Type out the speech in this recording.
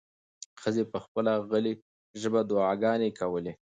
ښځې په خپله غلې ژبه دعاګانې کولې.